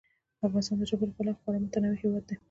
افغانستان د ژبو له پلوه خورا متنوع هېواد دی.